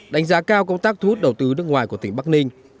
đánh giá cao công tác thu hút đầu tư nước ngoài của tỉnh bắc ninh